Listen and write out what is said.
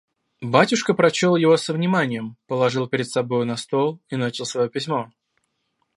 Батюшка прочел его со вниманием, положил перед собою на стол и начал свое письмо.